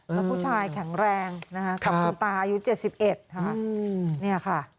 แล้วผู้ชายแข็งแรงนะคะกับคุณตาอายุ๗๑ค่ะเนี่ยค่ะ